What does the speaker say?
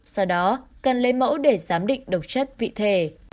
sau đó cần lấy mẫu để giám định độc chất vị thể